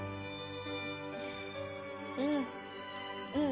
うん、うん。